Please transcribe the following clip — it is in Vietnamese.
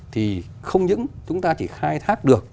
thì không những chúng ta chỉ khai thác được